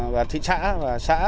và thị xã và xã